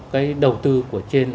cái đầu tư của trên